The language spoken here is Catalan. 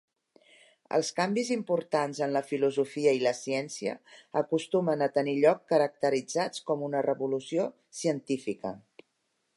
Els canvis importants en la filosofia i la ciència acostumen a tenir lloc caracteritzats com una revolució científica.